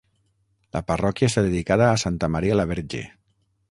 La parròquia està dedicada a Santa Maria la Verge.